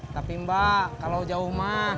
tapi mbak kalau jauh mah